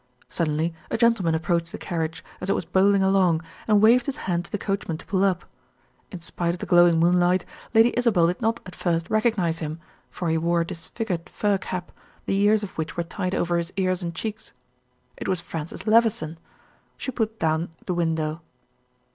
Suddenly a gentleman approached the carriage as it was bowling along, and waved his hand to the coachman to pull up. In spite of the glowing moonlight, Lady Isabel did not at first recognize him, for he wore a disfigured fur cap, the ears of which were tied over his ears and cheeks. It was Francis Levison. She put down the window.